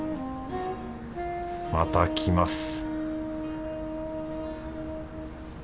また来ます